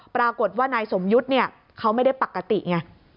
ปรากฏว่านายสมยุทธ์เนี่ยเขาไม่ได้ปกติไง